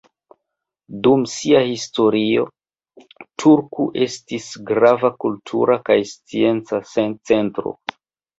Dum sia historio, Turku estis grava kultura kaj scienca centro.